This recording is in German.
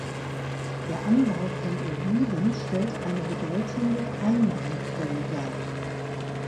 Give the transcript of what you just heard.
Der Anbau von Oliven stellt eine bedeutende Einnahmequelle dar.